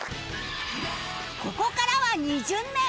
ここからは２巡目